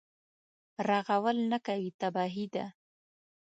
رغول نه کوي تباهي ده.